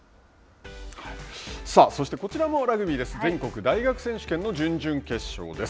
こちらもラグビーです全国大学選手権の準々決勝です。